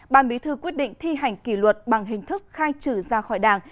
bà mỹ thư quyết định thi hành kỷ luật bằng hình thức khai trữ ra khỏi đảng